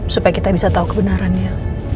supaya kita bisa tahu kebenarannya